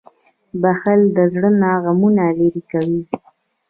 • بښل له زړه نه غمونه لېرې کوي.